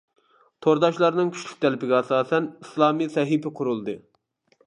تورداشلارنىڭ كۈچلۈك تەلىپىگە ئاساسەن ئىسلامىي سەھىپە قۇرۇلدى.